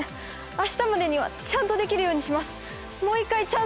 明日までにはちゃんとできるようにします